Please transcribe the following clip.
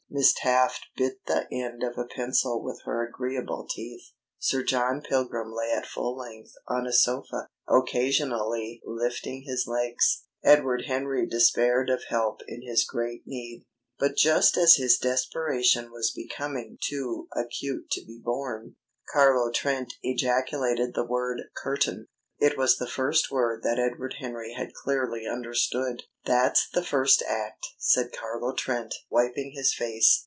Miss Taft bit the end of a pencil with her agreeable teeth. Sir John Pilgrim lay at full length on a sofa, occasionally lifting his legs. Edward Henry despaired of help in his great need. But just as his desperation was becoming too acute to be borne, Carlo Trent ejaculated the word "Curtain." It was the first word that Edward Henry had clearly understood. "That's the first act," said Carlo Trent, wiping his face.